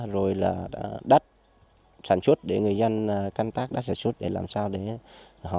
rồi là đất sản xuất để người dân canh tác đất sản xuất để làm sao để họ